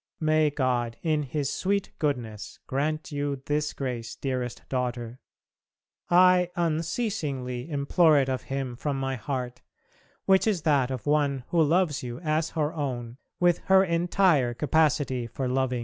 May God in His sweet goodness grant you this grace, dearest daughter; I unceasingly implore it of Him from my heart, which is that of one who loves you as her own with her entire capacity for loving.